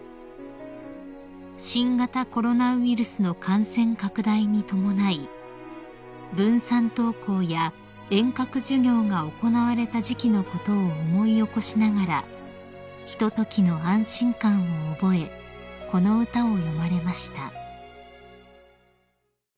［新型コロナウイルスの感染拡大に伴い分散登校や遠隔授業が行われた時期のことを思い起こしながらひとときの安心感を覚えこの歌を詠まれました］